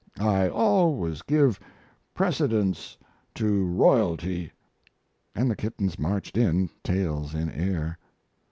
I always give precedence to royalty." And the kittens marched in, tails in air.